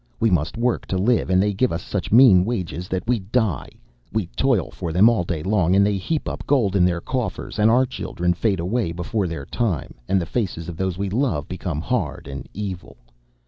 We must work to live, and they give us such mean wages that we die. We toil for them all day long, and they heap up gold in their coffers, and our children fade away before their time, and the faces of those we love become hard and evil.